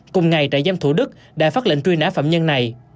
cùng ngày trại giam thủ đức đã phát lệnh truy nã phạm nhân này